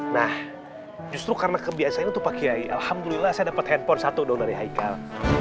nah justru karena kebiasaan itu pak kiai alhamdulillah saya dapet handphone satu dong dari haikal